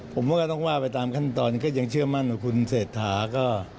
ผมว่าก็ต้องว่าไปตามขั้นตอนก็ยังเชื่อมั่นว่าคุณเศรษฐาก็